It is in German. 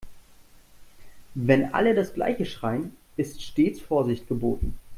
Wenn alle das gleiche schreien, ist stets Vorsicht geboten.